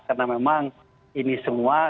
karena memang ini semua